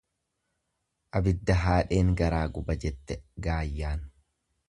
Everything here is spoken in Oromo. Abidda haadheen garaa guba jette gaayyaan.